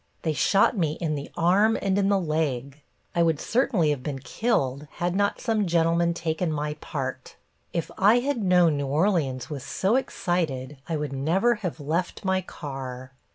They shot me in the arm and in the leg. I would certainly have been killed had not some gentleman taken my part. If I had known New Orleans was so excited I would never have left my car."